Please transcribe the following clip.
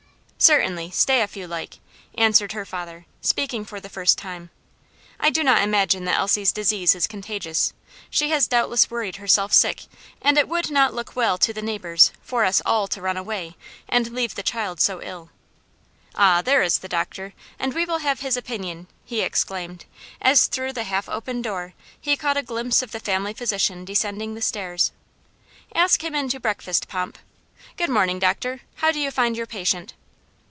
"Certainly; stay if you like," answered her father, speaking for the first time. "I do not imagine that Elsie's disease is contagious; she has doubtless worried herself sick, and it would not look well to the neighbors for us all to run away and leave the child so ill. Ah! there is the doctor, and we will have his opinion," he exclaimed, as through the half open door he caught a glimpse of the family physician descending the stairs. "Ask him in to breakfast, Pomp. Good morning, doctor! how do you find your patient?"